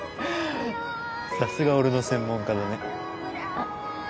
さすが俺の専門家だねあっ